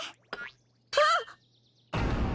あっ！